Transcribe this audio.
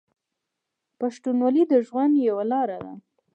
پښتونولي د ژوند یوه لار ده.